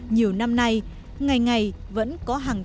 nhiều năm nay ngày ngày vẫn có hàng tuần